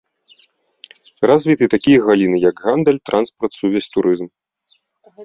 Развіты такія галіны, як гандаль, транспарт, сувязь, турызм.